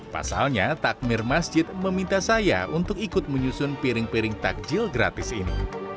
pasalnya takmir masjid meminta saya untuk ikut menyusun piring piring takjil gratis ini